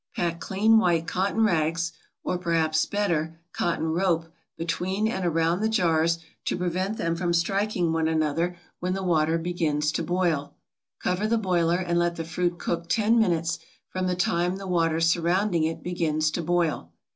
Pack clean white cotton rags, or perhaps better, cotton rope, between and around the jars to prevent them from striking one another when the water begins to boil. Cover the boiler and let the fruit cook ten minutes from the time the water surrounding it begins to boil.